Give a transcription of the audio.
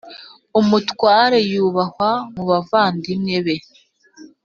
Umutware yubahwa mu bavandimwe be,